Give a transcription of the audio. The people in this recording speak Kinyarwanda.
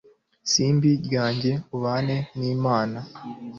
simbi ryanjye ubane n'imana